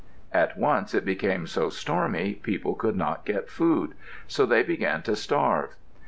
At once it became so stormy people could not get food, so they began to starve.